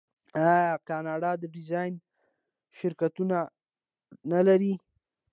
آیا کاناډا د ډیزاین شرکتونه نلري؟